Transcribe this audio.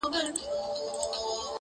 ورک سم په هینداره کي له ځان سره،